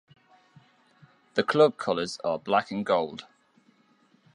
The club colors are black and gold.